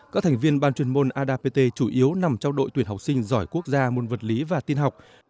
các thành viên ban chuyên môn adap chủ yếu nằm trong đội tuyển học sinh giỏi quốc gia môn vật lý và tin học